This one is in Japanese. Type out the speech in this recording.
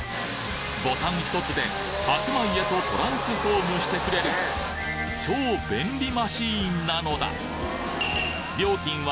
ボタン１つで白米へとトランスフォームしてくれる超便利マシーンなのだ